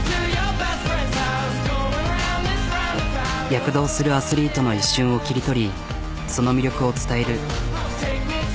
躍動するアスリートの一瞬を切り取りその魅力を伝える。